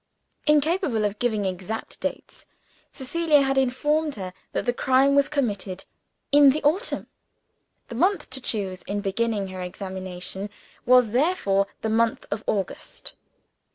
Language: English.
Incapable of giving exact dates, Cecilia had informed her that the crime was committed "in the autumn." The month to choose, in beginning her examination, was therefore the month of August.